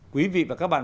quý vị và các bạn